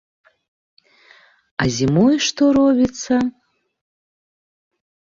А зімой што робіцца!